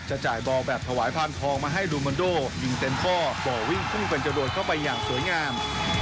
จ่ายบอลแบบถวายพานทองมาให้ลูมันโดยิงเต็มข้อบ่อวิ่งพุ่งเป็นจรวดเข้าไปอย่างสวยงาม